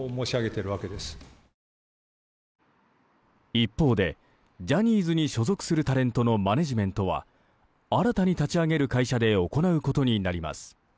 一方でジャニーズに所属するタレントのマネジメントは新たに立ち上げる会社で行うことになります。